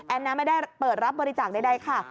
แอนนาไม่ได้เปิดรับบริจาคได้ค่ะ